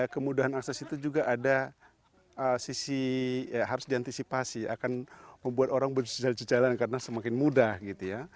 kemudahan akses itu juga ada sisi ya harus diantisipasi akan membuat orang berjalan karena semakin mudah gitu ya